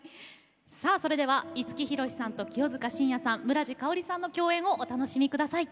さあそれでは五木ひろしさんと清塚信也さん村治佳織さんの共演をお楽しみください。